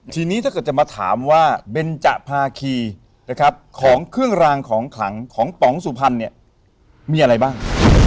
ทีนี้ถ้าเกิดจะมาถามว่าเบนจะภาคีนะครับของเครื่องรางของขลังของป๋องสุพรรณเนี่ยมีอะไรบ้าง